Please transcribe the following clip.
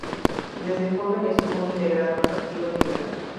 Desde joven estuvo integrado al Partido Liberal.